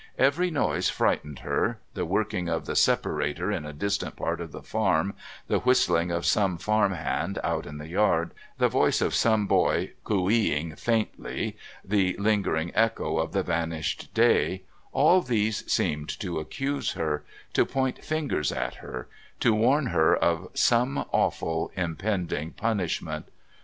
Every noise frightened her, the working of the "separator" in a distant part of the farm, the whistling of some farm hand out in the yard, the voice of some boy, "coo ee" ing faintly, the lingering echo of the vanished day all these seemed to accuse her, to point fingers at her, to warn her of some awful impending punishment.